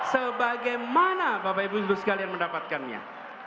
sebagaimana bapak ibu ibu sekalian mendapatkannya